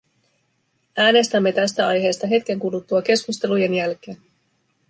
Äänestämme tästä aiheesta hetken kuluttua keskustelujen jälkeen.